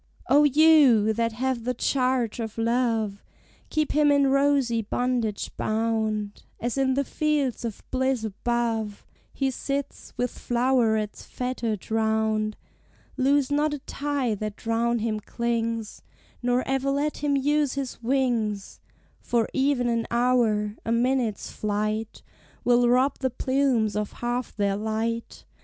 O you, that have the charge of Love, Keep him in rosy bondage bound, As in the Fields of Bliss above He sits, with flowerets fettered round; Loose not a tie that round him clings, Nor ever let him use his wings; For even an hour, a minute's flight Will rob the plumes of half their light.